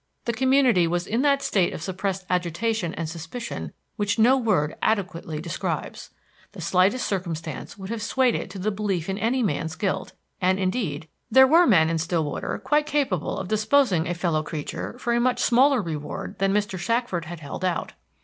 The community was in that state of suppressed agitation and suspicion which no word adequately describes. The slightest circumstance would have swayed it to the belief in any man's guilt; and, indeed, there were men in Stillwater quite capable of disposing of a fellow creature for a much smaller reward than Mr. Shackford had held out.